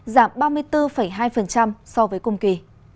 giảm ba mươi bốn hai so với cùng kỳ